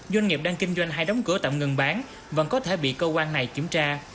doanh nghiệp đang kinh doanh hay đóng cửa tạm ngừng bán vẫn có thể bị cơ quan này kiểm tra